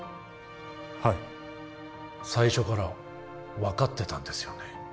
はい最初から分かってたんですよね